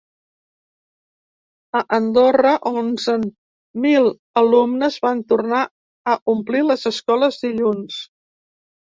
A Andorra, onzen mil alumnes van tornar a omplir les escoles dilluns.